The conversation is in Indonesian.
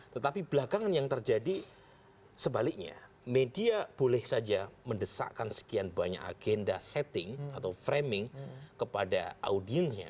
tetapi belakangan yang terjadi sebaliknya media boleh saja mendesakkan sekian banyak agenda setting atau framing kepada audiensnya